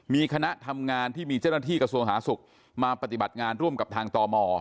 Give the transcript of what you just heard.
มีคณะทำงานที่มีเจ้าหน้าที่กระทรวงสาธารณสุขมาปฏิบัติงานร่วมกับทางตม